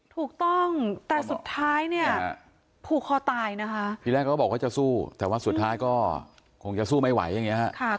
ถูกต้องแต่สุดท้ายผูคว่าตายนะคะ